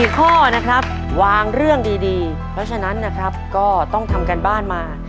๔ข้อนะครับวางเรื่องดีเพราะฉะนั้นนะครับก็ต้องทำการบ้านมา